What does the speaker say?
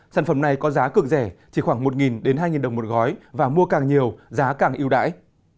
sản phẩm này có giá cực rẻ chỉ khoảng một hai đồng một gói và mua càng nhiều giá càng yêu đáy